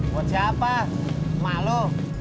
buat siapa mak lo